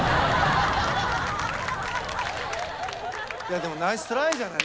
いやでもナイストライじゃない。